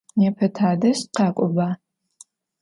Nêpe tadej khak'oba!